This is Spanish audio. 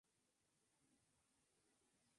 Se lleva entonces a ebullición mientras se remueve.